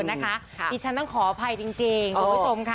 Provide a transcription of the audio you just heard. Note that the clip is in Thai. ดิฉันต้องขออภัยจริงคุณผู้ชมค่ะ